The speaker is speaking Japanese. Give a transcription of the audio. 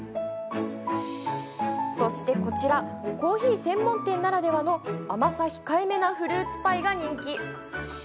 そして、こちらコーヒー専門店ならではの甘さ控えめなフルーツパイが人気。